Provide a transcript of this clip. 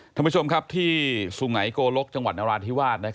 ท่านผู้ชมครับที่สุไงโกลกจังหวัดนราธิวาส